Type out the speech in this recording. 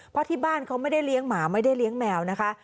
เพราะที่บ้านเขาไม่ได้เลี้ยงหมาไม่ได้เลี้ยงแมวนะคะ